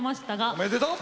おめでとう！